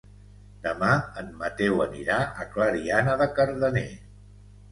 Demà en Mateu anirà a Clariana de Cardener.